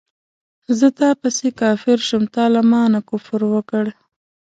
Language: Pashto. زه تا پسې کافر شوم تا له مانه کفر وکړ